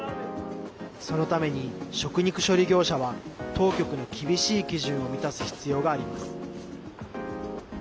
そのために食肉処理業者は当局の厳しい基準を満たす必要があります。